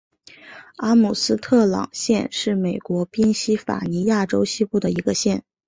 阿姆斯特朗县是美国宾夕法尼亚州西部的一个县。